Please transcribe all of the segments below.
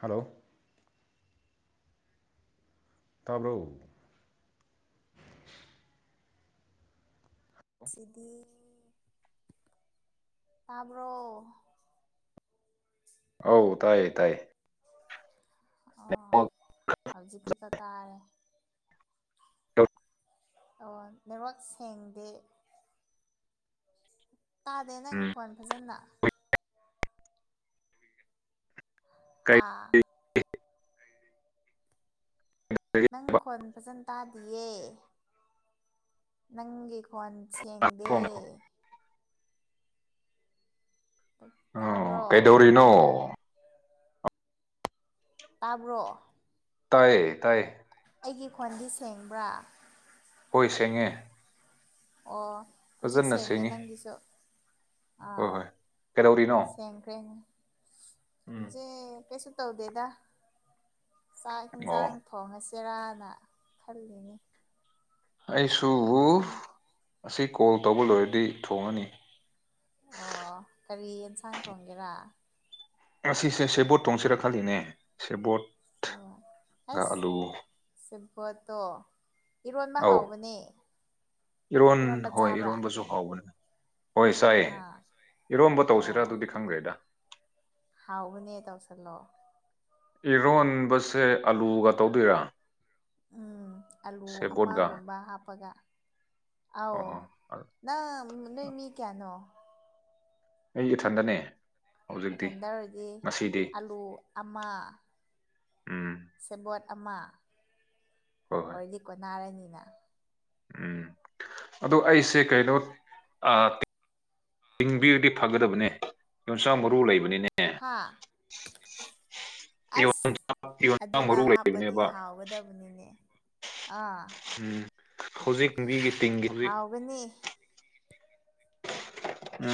Hello ꯇꯥꯕ꯭ꯔꯣ ꯁꯤꯗꯤ ꯇꯥꯕ꯭ꯔꯣ ꯑꯧ ꯇꯥꯏꯌꯦ ꯇꯥꯏ ꯑꯥ ꯍꯧꯖꯤꯛ ꯈꯛꯇꯥ ꯇꯥꯔꯦ ꯑꯣ‌ ꯅꯦꯠꯋꯥꯛ ꯁꯦꯡꯗꯦ ꯇꯥꯗꯦ ꯅꯪꯪ ꯈꯣꯟ ꯐꯖꯅ ꯍꯥꯥ [unintelligible] [unintelligible] ꯅꯪ ꯈꯣꯟ ꯐꯖꯅ ꯇꯥꯗꯤꯌꯦ ꯅꯪꯒꯤ ꯈ‌ꯣꯟ ꯁꯦꯡꯗꯦ ꯑꯣ ꯑꯣ ꯇꯥꯕ꯭ꯔꯣ ꯀꯩꯗꯧꯔꯤꯅꯣ ꯇꯥꯕ꯭ꯔꯣ ꯇꯥꯏꯌꯦ ꯇꯥꯏ ꯑꯩꯒꯤ ꯈꯣꯟꯗꯤ ꯁꯦꯡꯕ꯭ꯔꯥ ꯍꯣꯏ ꯁꯦꯡꯉꯦ ꯑꯣ ꯍꯧꯖꯤꯛ ꯐꯖꯅ ꯁꯦꯡꯉꯦ ꯁꯦꯡꯉꯤ ꯅꯪꯒꯤꯁꯨ ꯍꯣꯏ ꯑꯥ ꯍꯣꯏ ꯀꯩꯗꯧꯔꯤꯅꯣ ꯁꯦꯡꯈ꯭ꯔꯦꯅꯦ ꯎꯝ ꯖ‌ꯦ ꯀꯩꯁꯨ ꯇꯧꯗꯦꯗ ꯆꯥꯛ ꯑꯣ ꯍꯤꯟꯖꯥꯡ ꯊꯣꯡꯉꯁꯤꯔꯥꯅ ꯈꯜꯂꯤꯅꯤ ꯑꯩꯁꯨ ꯑꯁꯤ ꯀꯣꯜ ꯇꯧꯕ ꯂꯣꯏꯔꯗꯤ ꯊꯣꯡꯉꯅꯤ ꯑꯣ ꯀꯔꯤ ꯏꯟꯁꯥꯡ ꯊꯣꯡꯒꯦꯔꯥ ꯉꯁꯤꯁꯦ ꯁꯦꯕꯣꯠ ꯊ‌ꯣꯡꯁꯤꯔꯥ ꯈꯜꯂꯤꯅꯦ ꯁꯦꯕꯣꯠ [unintelligible] ꯑꯦꯁ ꯁ‌ꯦꯕ‌ꯣꯠꯇꯣ ꯏꯔꯣꯟꯕ ꯑꯧ ꯍꯥꯎꯕꯅꯦ ꯏꯔꯣꯟ ꯏꯔꯣꯟꯕ ꯍꯣꯏ ꯆꯥꯕ꯭ꯔꯥ ꯏꯔꯣꯟꯕꯁꯨ ꯍꯥꯎꯕꯅꯦ ꯍꯣꯏ ꯆꯥꯏ ꯑꯥ ꯏꯔꯣꯝꯕ ꯇꯧꯁꯤꯔꯥ ꯑꯣ ꯑꯗꯨꯗꯤ ꯈꯪꯗꯦꯗ ꯍꯥꯎꯕꯅꯦ ꯇꯧꯁꯜꯂꯣ ꯏꯔꯣꯟꯕꯁꯦ ꯑꯂꯨꯒ ꯇꯧꯗ‌ꯣꯏꯔꯥ ꯎꯝ ꯑꯂꯨ ꯁꯦꯕꯣꯠꯒ ꯑꯃꯒꯨꯝꯕ ꯍꯥꯞꯄꯒ ꯑꯧ ꯑꯣ ꯑꯣ ꯅꯪ ꯅꯣꯏ ꯃꯤ ꯀꯌꯥꯅꯣ ꯑꯩ ꯏꯊꯟꯇꯅꯦ ꯅꯊꯟꯇꯥ ꯑꯣꯏꯔꯗꯤ ꯑꯂꯨ ꯑꯃ ꯎꯝ ꯁꯦꯕꯣꯠ ꯑꯃ ꯍꯣꯏ ꯍꯣꯏ ꯑꯣꯏꯗꯤ ꯀꯣꯟꯅꯥꯔꯅꯤꯅ ꯎꯝ ꯑꯗꯣ ꯑꯩꯁꯦ ꯀꯩꯅꯣ ꯑꯥ ꯇꯤꯡꯕꯤꯔꯗꯤ ꯐꯒꯗꯕꯅꯦ ꯌꯣꯡꯆꯥꯛ ꯃꯔꯨ ꯂꯩꯕꯅꯤꯅꯦ ꯍꯥꯥ ꯑꯁ ꯌꯣꯟꯆꯥꯛ ꯑꯗꯨꯒ ꯃꯔꯨ ꯍꯥꯞꯄꯗꯤ ꯂꯩꯕꯅꯦꯕ ꯍꯥꯎꯒꯗꯕꯅꯤꯅꯦ ꯑꯥ ꯎꯝ ꯍꯨꯖꯤꯛ ꯃꯤꯒꯤ ꯇꯤꯡꯒꯤꯒꯤꯗꯣꯏ ꯍꯥꯎꯕꯅ‌ꯦ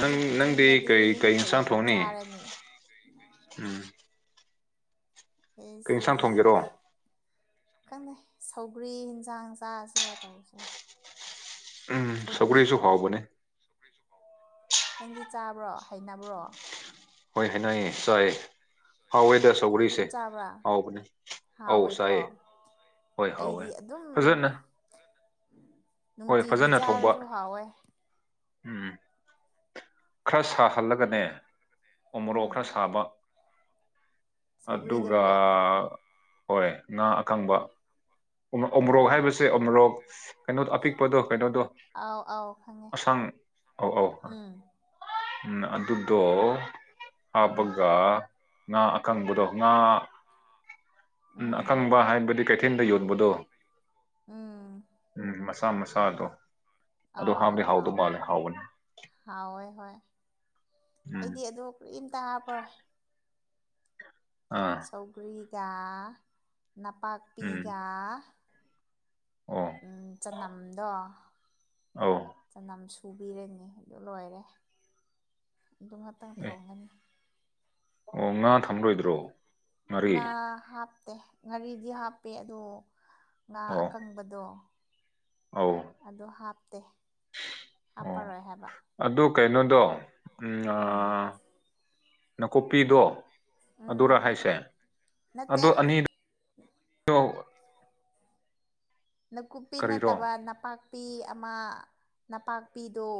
ꯅꯪ ꯅꯪꯗꯤ ꯇꯤꯡꯉꯗꯤ ꯀꯩ ꯀꯩ ꯏꯟꯁꯥꯡ ꯍꯌꯦꯡ ꯊꯣꯡꯅꯤ ꯆꯥꯔꯅꯤ ꯎꯝ ꯀꯩ ꯏꯟꯁꯥꯡ ꯏꯁꯦꯌꯦ ꯊꯣꯡꯒꯦꯔꯣ ꯈꯪꯅꯦ ꯁꯧꯒ꯭ꯔꯤ ꯍꯤꯟꯖꯥꯡ ꯆꯥꯁꯤꯔꯥ ꯇꯧꯁꯦꯔꯥ ꯎꯝ ꯁꯧꯒꯔ꯭ꯤꯁꯨ ꯍꯥꯎꯕꯅꯦ ꯅꯪꯗꯤ ꯆꯥꯕ꯭ꯔꯣ ꯍꯩꯅꯕ꯭ꯔꯣ ꯍꯣꯏ ꯍꯩꯅꯌꯦ ꯆꯥꯏꯌꯦ ꯍꯥꯎꯋꯦꯗ ꯑꯗꯨꯝ ꯁꯧ꯭ꯒꯔꯤꯁꯦ ꯆꯥꯕ꯭ꯔꯥ ꯍꯥꯎꯕꯅꯦ ꯑꯧ ꯍꯥꯎꯋꯦꯀꯣ ꯆꯥꯏꯌꯦ ꯍꯣꯏ ꯍꯥꯎꯋꯦ ꯑꯩꯗꯤ ꯑꯗꯨꯝ ꯐꯖꯅ ꯍꯣꯏ ꯅꯨꯡꯇꯤꯒꯤ ꯐꯖꯅ ꯊꯣꯡꯕ ꯆꯥꯔꯁꯨ ꯍꯥꯎꯋꯦ ꯎꯝ ꯈꯔ ꯁꯥꯍꯜꯂꯒꯅꯦ ꯎꯃꯣꯔꯣꯛ ꯎꯝ ꯈꯔ ꯁꯥꯕ ꯑꯗꯨꯒ ꯁꯧꯒ꯭ꯔꯤꯗꯕꯣ ꯍꯣꯏ ꯉꯥ ꯑꯀꯪꯕ ꯎ ꯑꯣ ꯎꯃꯣꯔꯣꯛ ꯍꯥꯏꯕ ꯁꯦ ꯎꯃꯣꯔꯣꯛ ꯀꯩꯅꯣꯗ ꯑꯄꯤꯛꯄꯗꯣ ꯀꯩꯅꯣꯗꯣ ꯑꯥꯎ ꯑꯥꯎ ꯈꯪꯉꯦ ꯑꯁꯡ ꯑ ꯑꯥꯎ ꯎꯝ ꯎꯝ ꯑꯗꯨ ꯇꯣ ꯎꯝ ꯍꯥꯞꯄꯒ ꯉꯥ ꯎꯝ ꯑꯀꯪꯕꯗꯣ ꯉꯥ ꯎꯝ ꯀꯪꯕ ꯍꯥꯏꯕꯗꯤ ꯀꯩꯊꯦꯟꯗ ꯌꯣꯟꯕꯗꯣ ꯎꯝ ꯎꯝ ꯃꯆꯥ ꯃꯆꯥꯗꯣ ꯑꯗꯣ ꯑꯥ ꯍꯥꯎꯗꯤ ꯍꯥꯎꯗꯧ ꯍꯥꯎꯋꯦ ꯃꯥꯜꯂꯦ ꯍꯥꯎꯕꯅꯤ ꯍꯥꯎꯋꯦ ꯍꯣꯏ ꯎꯝ ꯑꯩꯗꯤ ꯑꯗꯨ ꯀꯔ꯭ꯤꯝꯇ ꯍꯥꯞꯄꯔꯣꯏ ꯑꯥ ꯇꯧꯒ꯭ꯔꯤꯒ ꯎꯝ ꯅꯄꯥꯛꯄꯤꯒꯥ ꯑꯣ ꯎꯝ ꯆꯅꯝꯗꯣ ꯑꯧ ꯆꯅꯝꯁꯨ ꯁꯨꯕꯤꯔꯅꯤ ꯑꯗꯨ ꯂꯣꯏꯔꯦ ꯑꯗꯨ ꯉꯥꯛꯇꯪ ꯑꯦ ꯊꯣꯡꯉꯅꯤ ꯑꯣ ꯉꯥ ꯊꯝꯂꯣꯏꯗ꯭ꯔꯣ ꯉꯥꯔꯤ ꯉꯥ ꯍꯥꯞꯇꯦ ꯉꯔꯤꯗꯤ ꯍꯥꯞꯄꯦ ꯑꯗꯣ ꯉꯥ ꯑꯣ ꯑꯀꯪꯕꯗꯣ ꯑꯧ ꯑꯗꯣ ꯍꯥꯞꯇꯦ ꯑꯣ ꯍꯥꯞꯄꯔꯣꯏ ꯍꯥꯏꯕ ꯑꯗꯨ ꯀꯩꯅꯣꯗꯣ ꯎꯝꯅꯥ ꯎꯝ ꯅꯀꯨꯞꯄꯤꯗꯣ ꯑꯗꯨꯔꯥ ꯎꯝ ꯍꯥꯏꯁꯦ ꯅꯠꯇꯦ ꯑꯗꯣ ꯑꯅꯤꯗ [unintelligible] ꯅꯀꯨꯞꯄꯤ ꯀꯔꯤꯔꯣ ꯅꯠꯇꯕ ꯅꯄꯥꯛꯄꯤ ꯑꯃ ꯅꯄꯥꯛꯄꯤꯗꯣ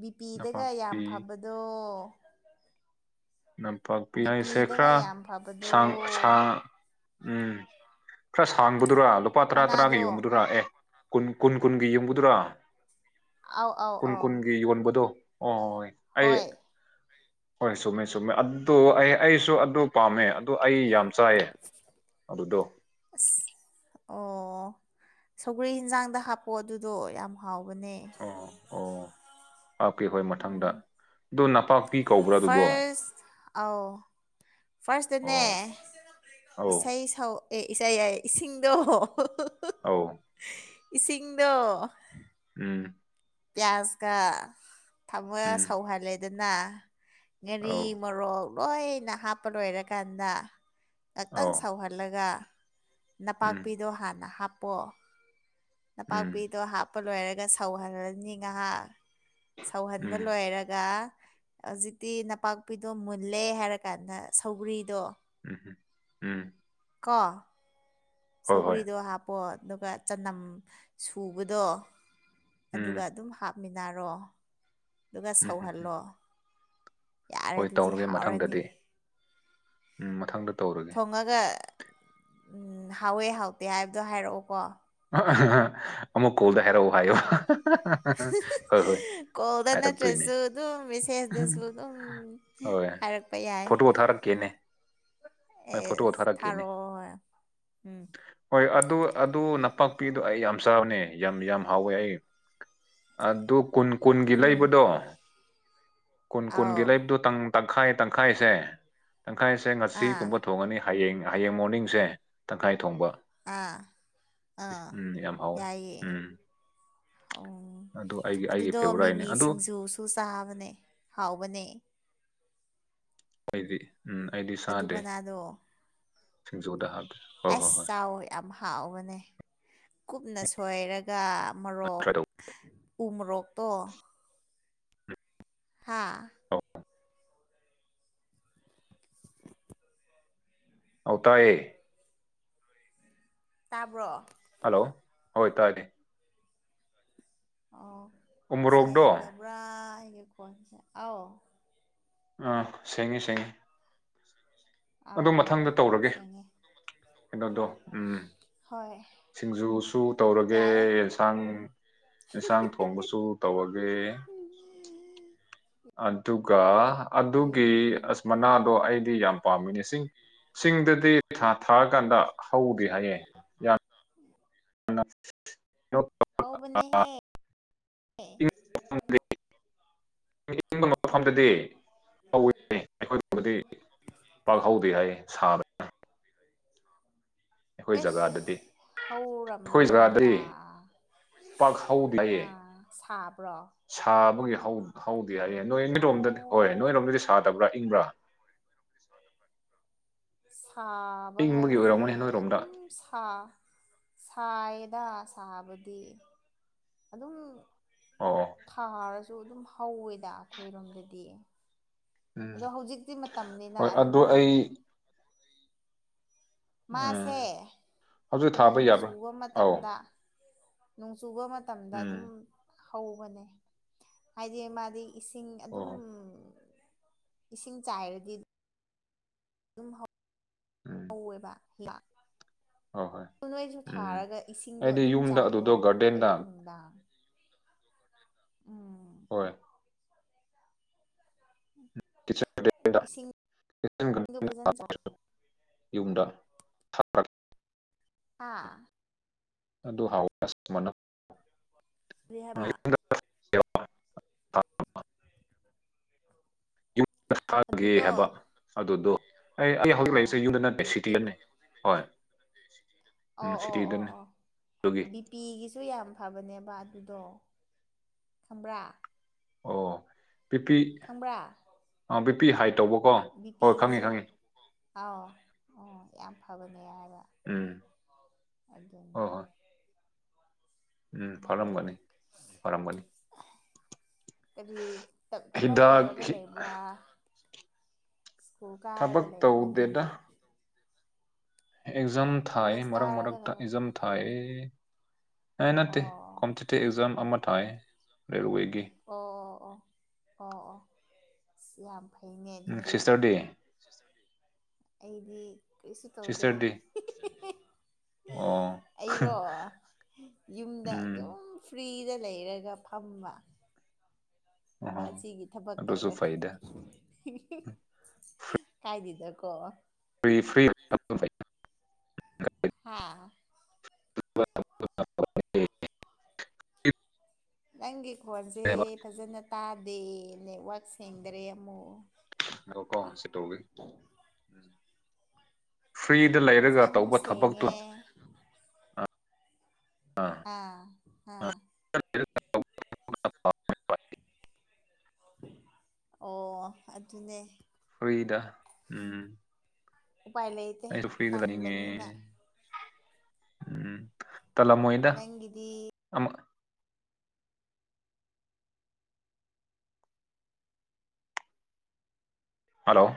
ꯕꯤꯄꯤꯗꯒ ꯌꯥꯝ ꯅꯄꯥꯛꯄꯤ ꯐꯕꯗꯣ ꯅꯝꯄꯥꯛꯄꯤ ꯍꯥꯏꯁꯦ ꯕꯤꯄꯤꯗꯒ ꯈꯔ ꯌꯥꯝ ꯐꯕꯗꯣ ꯁꯥꯡ ꯁꯥ ꯎꯝ ꯈꯔ ꯁꯥꯡꯕꯗꯨꯔꯥ ꯂꯨꯄꯥ ꯇꯔꯥ ꯇꯔꯥꯒꯤ ꯃꯅꯥꯗꯣ ꯌꯣꯟꯕꯗꯨꯔꯥ ꯑꯦ ꯀꯨꯟ ꯀꯨꯟ ꯀꯨꯟꯒꯤ ꯌꯣꯟꯕꯗꯨꯔꯥ ꯑꯧ ꯑꯧ ꯀꯨꯟ ꯑꯧ ꯀꯨꯟꯒꯤ ꯌꯣꯟꯕꯗꯣ ꯑꯣ ꯑꯣꯏ ꯑꯩ ꯍꯣꯏ ꯍꯣꯏ ꯆꯨꯝꯃꯦ ꯆꯨꯝꯃꯦ ꯑꯗꯣ ꯑꯩ ꯑꯩꯁꯨ ꯑ ꯗꯨ ꯄꯥꯝꯃꯦ ꯑꯗꯨ ꯑꯩ ꯌꯥꯝ ꯆꯥꯏꯌꯦ ꯑꯗꯨꯗꯣ ꯑꯁ ꯑꯣ ꯁꯧꯒ꯭ꯔꯤ ꯍꯦꯟꯖꯥꯡꯗ ꯍꯥꯞꯄꯣ ꯑꯗꯨꯗꯣ ꯌꯥꯝ ꯍꯥꯎꯕꯅꯦ ꯑꯣ ꯑꯣ ꯍꯥꯞꯀꯦ ꯍꯣꯏ ꯃꯊꯪꯗ ꯑꯗꯣ ꯅꯄꯥꯛꯄꯤ ꯀꯧꯕ꯭ꯔꯥ ꯑꯗꯨꯗꯣ ꯐꯥꯔꯁ ꯑꯧ ꯐꯥꯔꯁꯇꯅꯦ ꯑꯣ ꯑꯧ ꯏꯁꯩ ꯁꯧ ꯑꯦ ꯏꯁꯩ ꯍꯥꯏꯌꯦ ꯏꯁꯤꯡꯗꯣ ꯑꯧ ꯏꯁꯤꯡꯗꯣ ꯎꯝ ꯒ꯭ꯌꯥꯁꯀ ꯊꯝꯃꯒ ꯎꯝ ꯁꯧꯍꯜꯂꯦꯗꯅ ꯉꯥꯔꯤ ꯑꯧ ꯃꯣꯔꯣꯛ ꯂꯣꯏꯅ ꯍꯥꯞꯄ ꯂꯣꯏꯔꯀꯥꯟꯗ ꯉꯥꯛꯇꯪ ꯑꯧ ꯁꯧꯍꯜꯂꯒ ꯎꯝ ꯅꯄꯥꯛꯄꯤꯗꯣ ꯍꯥꯟꯅ ꯍꯥꯞꯄꯣ ꯎꯝ ꯅꯄꯥꯛꯄꯤꯗꯣ ꯍꯥꯞꯄ ꯂꯣꯏꯔꯒ ꯁꯧꯍꯜꯂꯅꯤ ꯉꯥꯍꯥꯛ ꯁꯧꯍꯟꯕ ꯎꯝ ꯂꯣꯏꯔꯒ ꯍꯧꯖꯤꯛꯇꯤ ꯅꯄꯥꯛꯄꯤꯗꯣ ꯃꯨꯜꯂꯦ ꯍꯥꯏꯔꯀꯥꯟꯗ ꯁꯧꯒ꯭ꯔꯤꯗꯣ ꯎꯝꯍꯨꯝ ꯎꯝ ꯀꯣ ꯍꯣꯏ ꯍꯣꯏ ꯁꯧꯒ꯭ꯔꯤꯗꯣ ꯍꯥꯞꯄꯣ ꯑꯗꯨꯒ ꯆꯅꯝ ꯁꯨꯕꯗꯣ ꯑꯗꯨꯒ ꯎꯝ ꯑꯗꯨꯝ ꯍꯥꯞꯃꯤꯟꯅꯔꯣ ꯑꯗꯨꯒ ꯎꯝ ꯎꯝ ꯎꯝ. ꯁꯧꯍꯜꯂꯣ ꯌꯥꯔꯦ ꯍꯣꯏ ꯑꯗꯨꯗꯤ ꯇꯧꯔꯒꯦ ꯍꯥꯎꯔꯅꯤ ꯃꯊꯪꯗꯗꯤ ꯎꯝ ꯃꯊꯪꯗ ꯇꯧꯔꯒꯦ ꯊꯣꯡꯉꯒ ꯍꯥꯎꯋꯦ ꯍꯥꯎꯇꯦ ꯍꯥꯏꯕꯗꯣ ꯍꯥꯏꯔꯛꯑꯣꯀꯣ ꯑꯃꯨꯛ ꯀꯣꯜꯗ ꯍꯥꯏꯔꯛꯎ ꯍꯥꯏꯌꯨ ꯀꯣꯜꯗ ꯅꯠꯇ꯭ꯔꯁꯨ ꯑꯗꯨꯝ ꯃꯦꯁꯦꯖꯇꯁꯨ ꯑꯗꯨꯝ ꯍꯣꯏ ꯍꯥꯏꯔꯛꯄ ꯐꯣꯇꯣ ꯊꯥꯔꯛꯀꯦꯅꯦ ꯍꯣꯏ ꯐꯣꯇꯣ ꯑꯦꯁ ꯊꯥꯔꯛꯀꯦꯅꯦ ꯊꯥꯔꯛꯑꯣ ꯎꯝ ꯍꯣꯏ ꯑꯗꯨ ꯑꯗꯨ ꯅꯄꯥꯛꯄꯤꯗꯣ ꯑꯩ ꯌꯥꯝ ꯆꯥꯕꯅꯦ ꯌꯥꯝ ꯌꯥꯝ ꯍꯥꯎꯋꯦ ꯑꯩ ꯑꯗꯨ ꯀꯨꯟ ꯀꯨꯟꯒꯤ ꯎꯝ ꯂꯩꯕꯗꯣ ꯀꯨꯟ ꯀꯨꯟꯒꯤ ꯑꯥꯎ ꯂꯩꯕꯗꯣ ꯇꯪ ꯇꯪꯈꯥꯏ ꯇꯪꯈꯥꯏꯁꯦ ꯇꯪꯈꯥꯏꯁꯦ ꯑꯥ ꯉꯁꯤꯒꯨꯝꯕ ꯊꯣꯡ ꯊꯣꯡꯉꯅꯤ ꯍꯌꯦꯡ ꯍꯌꯦꯡ ꯃꯣꯔꯅꯤꯡꯁꯦ ꯇꯪꯈꯥꯏ ꯊꯣꯡꯕ ꯑꯥ ꯑꯥ ꯎꯝ ꯌꯥꯝ ꯍꯥꯎꯋꯦ ꯌꯥꯏꯌꯦ ꯎꯝ ꯑꯣ ꯑꯗꯨ ꯑꯩꯒꯤ ꯑꯩꯒꯤ ꯑꯗꯨꯗꯣ ꯐꯦꯚꯣꯔꯥꯏꯠꯅꯤ ꯃꯤꯃꯤ ꯑꯗꯨ ꯁꯤꯡꯖꯨꯁꯨ ꯆꯥꯕꯅꯦ ꯍꯥꯎꯕꯅꯦ ꯑꯩꯗꯤ ꯎꯝ ꯑꯩꯗꯤ ꯑꯗꯨ ꯆꯥꯗꯦ ꯃꯅꯥꯗꯣ ꯁꯤꯡꯖꯨꯗ ꯍꯥꯞꯇꯦ ꯑꯦꯁ ꯆꯥꯎꯑꯣ ꯌꯥꯝ ꯍꯥꯎꯕꯅꯦ ꯀꯨꯞꯅ ꯁꯣꯏꯔꯒ ꯃꯣꯔꯣꯛ ꯇ꯭ꯔꯥꯏ ꯇꯧ ꯎꯃꯣꯔꯣꯛꯇꯣ ꯍꯥꯥ [unintelligible] ꯑꯧ ꯇꯥꯏꯌꯦ ꯇꯥꯕ꯭ꯔꯣ ꯍꯜꯂꯣ ꯍꯣꯏ ꯇꯥꯏꯌꯦ ꯑꯣ ꯎꯃꯣꯔꯣꯛꯗꯣ ꯁꯦꯡꯗꯕ꯭ꯔꯥ ꯑꯩꯒꯤ ꯈꯣꯟꯁꯦ ꯑꯥꯎ ꯑꯥ ꯁꯦꯡꯉꯦ ꯁꯦꯡꯉꯦ ꯑꯥ ꯑꯗꯨ ꯑꯥ ꯃꯊꯪꯗ ꯇꯧꯔꯒꯦ ꯁꯦꯡꯉꯦ ꯀꯩꯅꯣꯗꯣ ꯎꯝ ꯍꯣꯏ ꯁꯤꯡꯖꯨꯁꯨ ꯇꯧꯔꯒꯦ ꯌꯥꯏꯌꯦ ꯌꯦꯟꯁꯥꯡ ꯏꯟꯁꯥꯡ ꯊꯣꯡꯕꯁꯨ ꯇꯧꯔꯒꯦ ꯑꯗꯨꯒ ꯑꯗꯨꯒꯤ ꯎꯝ ꯑꯁ ꯃꯅꯥꯗꯣ ꯑꯩꯗꯤ ꯌꯥꯝ ꯄꯥꯝꯃꯤꯅꯦ ꯆꯤꯡ ꯆꯤꯡꯗꯗꯤ ꯊꯥ ꯊꯥꯔꯀꯥꯟꯗ ꯍꯧꯗꯦ ꯍꯥꯏꯌꯦ ꯌꯥꯝ [unintelligible] [unintelligible] ꯍꯥꯎꯕꯅꯦ ꯍꯦ ꯑꯦ [unintelligible] [unintelligible] ꯃꯐꯝꯗꯗꯤ ꯍꯧꯋ‌ꯦ ꯑꯩꯈꯣꯏꯕꯨꯗꯤ ꯄꯥꯛ ꯍꯧꯗꯦ ꯍꯥꯏꯌ‌ꯦ ꯁꯥꯕ ꯑꯩꯈꯣꯏ ꯑꯦꯁ ꯖꯒꯥꯗꯗꯤ ꯑꯩꯈꯣꯏ ꯖꯒꯥꯗꯗꯤ ꯍꯧꯔꯝꯒꯅꯤꯗꯥ ꯄꯥꯛ ꯍꯧꯗꯦ ꯍꯥꯏꯌꯦ ꯑꯥ ꯁꯥꯕ꯭ꯔꯣ ꯁꯥꯕꯒꯤ ꯍꯧ ꯍꯧꯗꯦ ꯍꯥꯏꯌꯦ ꯅꯣꯏ ꯅ‌ꯣꯏꯔꯣꯝꯗꯗꯤ ꯍꯣꯏ ꯑꯣ ꯅꯣꯏꯔꯣꯝꯗꯗꯤ ꯁꯥꯗꯕ꯭ꯔꯥ ꯏꯪꯕ꯭ꯔꯥ ꯁꯥꯕ ꯏꯪꯕꯒꯤ ꯍꯥꯏꯁꯦ ꯑꯣꯏꯔꯝꯒꯅꯤ ꯅꯣꯏꯔꯣꯝꯗ ꯑꯗꯨꯝ ꯁꯥ ꯁꯥꯏꯗꯥ ꯁꯥꯕꯗꯤ ꯑꯗꯨꯝ ꯑꯣꯑꯣ ꯊꯥꯔꯁꯨ ꯑꯗꯨꯝ ꯍꯧꯋꯦꯗ ꯑꯈꯣꯏꯔꯣꯝꯗꯗꯤ ꯎꯝ ꯑꯗꯣ ꯍꯧꯖꯤꯛꯇꯤ ꯃꯇꯝꯅꯤꯅ ꯍꯣꯏ ꯑꯗꯨ ꯑꯩ ꯃꯥꯒꯤ ꯎꯝ ꯃꯥꯁꯦ ꯍꯧꯖꯤꯛ ꯊꯥꯕ ꯅꯣꯡ ꯌꯥꯕ꯭ꯔꯥ ꯆꯨꯕ ꯑꯧ ꯃꯇꯝꯗ ꯅꯣꯡ ꯆꯨꯕ ꯃꯇꯝꯗ ꯎꯝ ꯑꯗꯨꯝ ꯍꯧꯕꯅꯦ ꯍꯥꯏꯗꯤ ꯃꯥꯗꯤ ꯏꯁꯤꯡ ꯑꯣ ꯑꯗꯨꯝ ꯏꯁꯤꯡ ꯆꯥꯏꯔꯗꯤ ꯑꯗꯨꯝ ꯍꯧ ꯎꯝ ꯍꯧꯋꯦꯕ ꯂꯥꯛ ꯍꯣꯏ ꯍꯣꯏ ꯗꯨ ꯅꯣꯏꯁꯨ ꯎꯝ ꯊꯥꯔꯒ ꯏꯁꯤꯡꯗꯣ ꯑꯩꯗꯤ ꯑꯗꯨꯝ ꯌꯨꯝꯗ ꯆꯥꯏꯌꯣ ꯑꯗꯨꯗꯣ ꯒꯥꯔꯗꯦꯟꯗ ꯑꯌꯨꯛ ꯅꯨꯡꯗꯥꯡ ꯎꯝ ꯍꯣꯏ ꯇꯤꯆꯔ ꯗ‌ꯦꯗꯥ ꯏꯁꯤꯡꯗꯣ ꯐꯖꯅ ꯆꯥꯎ [unintelligible] ꯌꯨꯝꯗ [unintelligible] ꯍꯥ ꯑꯗꯨ ꯍꯥꯎ [unintelligible] ꯃꯅ ꯀꯔꯤ ꯍꯥꯕꯥ ꯌꯨꯝꯗ ꯊꯥꯒꯦ ꯑꯗꯨꯗꯣ ꯍꯥꯏꯕ ꯑꯗꯨꯗꯣ ꯑꯩ ꯑꯩ ꯍꯧꯖꯤꯛ ꯑꯧ ꯂꯩꯁꯦ ꯌꯨꯝꯗ ꯅꯠꯇ‌ꯦ ꯁꯤꯇꯤ ꯕꯤ ꯑꯅ‌ꯦ ꯍꯣꯏ ꯑꯣ ꯎꯝ ꯑꯣ ꯑꯣ ꯁꯤꯇꯤꯗꯅ‌ꯦ ꯑꯣ ꯑꯗꯨꯒꯤ ꯕꯤ ꯄꯤꯒꯤꯁꯨ ꯌꯥꯝ ꯐꯕꯅꯦꯕ ꯑꯗꯨꯗꯣ ꯈꯪꯕ꯭ꯔꯥ ꯑꯣ ꯄꯤꯄꯤ ꯈꯪꯕ꯭ꯔꯥ ꯑꯥ ꯕꯤꯄꯤ ꯍꯥꯏ ꯇꯧꯕꯀꯣ ꯕꯤ ꯍꯣꯏ ꯈꯪꯉ‌ꯦ ꯄꯤꯒꯤꯁꯨ ꯈꯪꯉ‌ꯦ ꯑꯥꯎ ꯑꯣ ꯌꯥꯝ ꯐꯕꯅꯦ ꯍꯥꯏꯕ ꯎꯝ ꯑꯥꯗꯨꯟ ꯍꯣꯏ ꯍꯣꯏ ꯎꯝ ꯐꯔꯝꯒꯅꯤ ꯐꯔꯝꯒꯅꯤ ꯀꯔꯤ ꯇꯞ ꯊꯕꯛ ꯇꯧꯔꯒ ꯍꯤꯗꯥꯛ ꯂꯩꯕ꯭ꯔꯥ ꯁ꯭ꯀꯨꯜ ꯀꯥꯔꯒ ꯊꯕꯛ ꯂꯩꯕ꯭ꯔꯥ ꯇꯧꯗꯦꯗ ꯅꯪꯗꯤ ꯑꯦꯛꯖꯝ ꯊꯥꯏꯌ‌ꯦ ꯀꯣꯂꯦꯖ ꯃꯔꯛ ꯀꯥꯔꯒ ꯃꯔꯛꯇ ꯂꯩꯕ꯭ꯔꯥ ꯑꯦꯖꯝ ꯊꯥꯏꯌ‌ꯦ ꯑ‌ꯦ ꯅꯠꯇ‌ꯦ ꯑꯣ ꯀꯝꯄꯤꯇꯤꯚ ꯑꯦꯛꯖꯥꯝ ꯑꯃ ꯊꯥꯏꯌꯦ ꯔꯦꯜꯋ‌ꯦꯒꯤ ꯑꯣ ꯑꯣ ꯑꯣ ꯑꯣ ꯑꯣ ꯑꯁ ꯌꯥꯝ ꯐꯩꯅꯦ ꯎꯝ ꯑꯗꯨꯗꯤ ꯁꯤꯁꯇꯔꯗꯤ ꯁꯤꯁꯇꯔ ꯍ‌ꯣꯏꯗꯤ ꯑꯩꯗꯤ ꯀꯔꯤꯁꯨ ꯇꯧꯗꯦ ꯁꯤꯁꯇꯔꯗꯤ ꯑꯣ ꯑꯩꯔꯣ ꯌꯨꯝꯗ ꯎꯝ ꯑꯗꯨꯝ ꯐ꯭ꯔꯤꯗ ꯂꯩꯔꯒ ꯐꯝꯕ ꯑꯣꯍꯣ ꯑꯁꯤꯒꯤ ꯊꯕꯛ ꯑꯗꯨꯁꯨ ꯇꯧꯋꯦ ꯐꯩꯗ ꯀꯥꯏꯗꯤꯗꯀꯣ ꯐ꯭ꯔꯤ ꯐ꯭ꯔꯤ [unintelligible] ꯍꯥꯥ [unintelligible] ꯅꯪꯒꯤ ꯈꯣꯟꯖꯦ ꯐꯖꯅ ꯇꯥꯗꯦ ꯅꯦꯠꯋꯥꯛ ꯁꯦꯡꯗꯔꯦ ꯑꯃꯨꯛ ꯉꯥꯏꯈꯣꯀꯣ ꯁꯤ ꯇꯩꯒꯦ [unintelligible] [unintelligible] ꯐ꯭ꯔꯤꯗ ꯂꯩꯔꯒ ꯍꯧꯖꯤꯛ ꯑꯃꯨꯛ ꯇꯧꯕ ꯊꯕꯛꯇꯣ ꯁꯦꯡꯉꯦ ꯑ ꯑꯥ ꯑꯥ [unintelligible] ꯑꯣ ꯑꯗꯨꯅꯦ ꯐ꯭ꯔꯤꯗ ꯎꯝ ꯎꯄꯥꯏ ꯂꯩ ꯑꯩꯖꯨ ꯐꯔ꯭ꯤꯗ ꯂꯩꯅꯤꯡꯉꯦ ꯎꯝ ꯇꯟꯂꯝꯃꯣꯏꯗ ꯅꯪꯒꯤꯗꯤ ꯑꯃ ꯍꯜꯂꯣ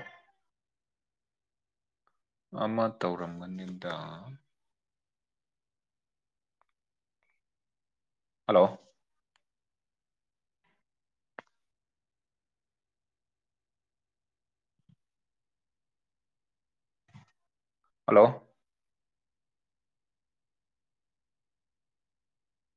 ꯑꯃ ꯇꯧꯔꯝꯒꯅꯤꯗ ꯍꯜꯂꯣ ꯍꯜꯂꯣ